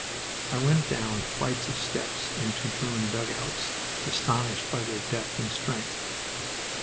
I went down flights of steps into German dugouts, astonished by their depth and strength.